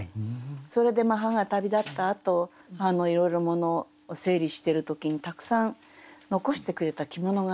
それで母が旅立ったあといろいろ物を整理してる時にたくさん残してくれた着物があったんですね。